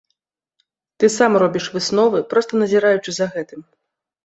Ты сам робіш высновы, проста назіраючы за гэтым.